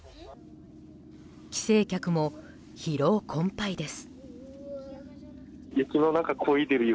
帰省客も疲労困憊です。